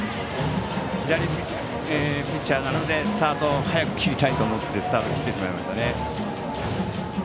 左ピッチャーなので早くスタートを切りたいと思ってスタートを切ってしまいましたね。